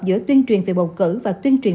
giữa tuyên truyền về bầu cử và tuyên truyền